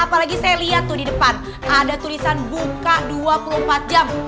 apalagi saya lihat tuh di depan ada tulisan buka dua puluh empat jam